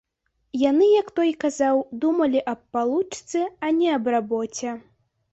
Яны, як той казаў, думалі аб палучцы, а не аб рабоце.